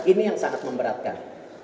ini yang sangat memberatkan